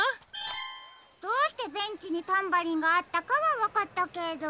どうしてベンチにタンバリンがあったかはわかったけど。